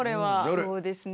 そうですね